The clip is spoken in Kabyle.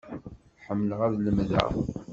Ḥemmleɣ ad lemdeɣ.